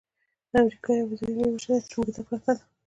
امریکا یوازني لویه وچه ده چې اوږده پرته ده.